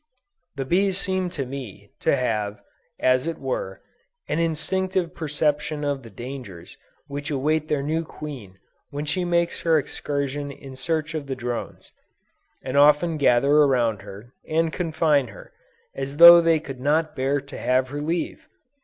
The bees seem to me, to have, as it were, an instinctive perception of the dangers which await their new queen when she makes her excursion in search of the drones, and often gather around her, and confine her, as though they could not bear to have her leave!